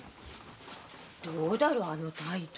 どうだろあの態度。